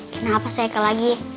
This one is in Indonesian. kenapa se haikal lagi